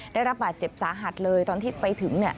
ได้รับบาดเจ็บสาหัสเลยตอนที่ไปถึง